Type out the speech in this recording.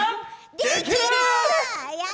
できる！